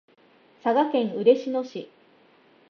佐賀県嬉野市